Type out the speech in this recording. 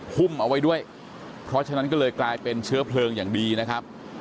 หุ้มเอาไว้ด้วยเพราะฉะนั้นก็เลยกลายเป็นเชื้อเพลิงอย่างดีนะครับ